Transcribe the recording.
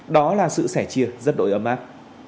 đó là sự sẻ chia rất đội ấm áp